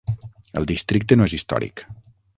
El districte no és històric.